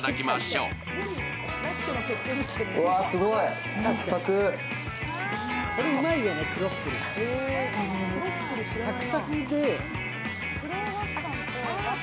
うわっ、すごい、サクサク。